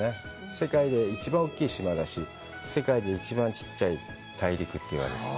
世界で一番大きい島だし、世界で一番ちっちゃい大陸といわれてる。